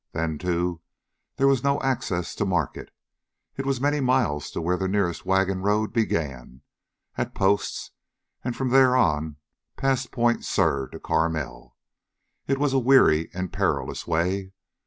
Then, too, there was no access to market. It was many miles to where the nearest wagon road began, at Post's, and from there on, past Point Sur to Carmel, it was a weary and perilous way.